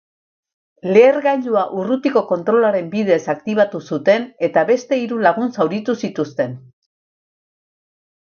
Lehergailua urrutiko kontrolaren bidez aktibatu zuten, eta beste hiru lagun zauritu zituzten.